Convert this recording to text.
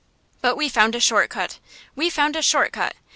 But we found a short cut we found a short cut!